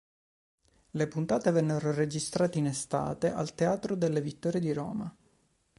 Le puntate vennero registrate in estate al Teatro delle Vittorie di Roma.